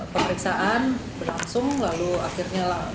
pemeriksaan berlangsung lalu akhirnya